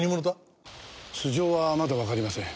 素性はまだわかりません。